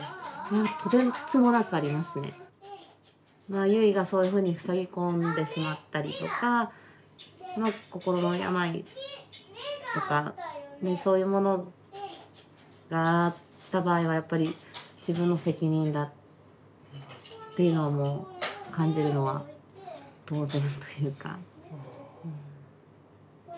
まあユイがそういうふうにふさぎこんでしまったりとか心の病とかそういうものがあった場合はやっぱり自分の責任だっていうのはもう感じるのは当然というか。